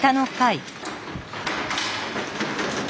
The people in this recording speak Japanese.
あ！